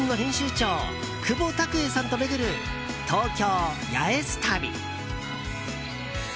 長久保拓英さんと巡る東京・八重洲旅。